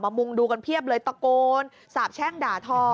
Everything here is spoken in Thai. มุงดูกันเพียบเลยตะโกนสาบแช่งด่าทอ